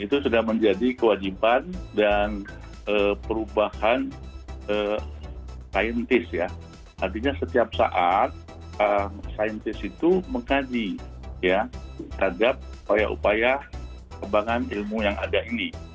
itu sudah menjadi kewajiban dan perubahan saintis ya artinya setiap saat saintis itu mengkaji terhadap upaya upaya kebangan ilmu yang ada ini